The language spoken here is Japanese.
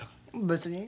別に。